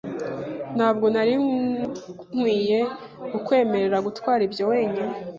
Ntabwo nari nkwiye kukwemerera gutwara ibyo wenyine.